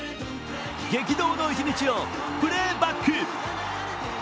激動の一日をプレーバック。